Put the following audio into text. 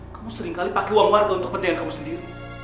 kamu seringkali pake uang warga untuk pentingan kamu sendiri